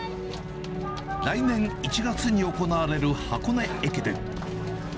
来年１月に行われる箱根駅伝。